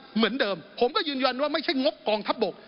เหมือนเดิมผมก็ยืนยันว่าไม่ใช่งบกองทัพบก